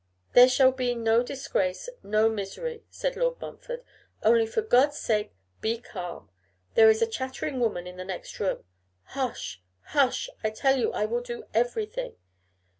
'There shall be no disgrace, no misery,' said Lord Montfort, 'only for God's sake, be calm. There is a chattering woman in the next room. Hush! hush! I tell you I will do everything.